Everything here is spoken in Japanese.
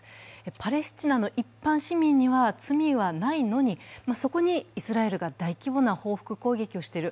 パレスチナの一般市民には罪はないのに、そこにイスラエルが大規模な報復攻撃をしている。